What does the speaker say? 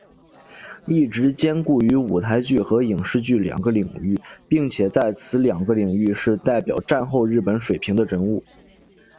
一直兼顾于舞台剧和影视剧两个领域并且在此两个领域是代表战后日本水平的人物。